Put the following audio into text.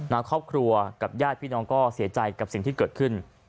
ครอบครัวกับญาติพี่น้องก็เสียใจกับสิ่งที่เกิดขึ้น